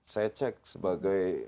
saya cek sebagai